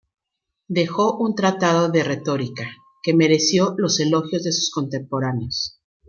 Dejó un "Tratado de retórica", que mereció los elogios de sus contemporáneos.